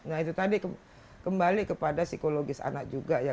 nah itu tadi kembali kepada psikologis anak juga ya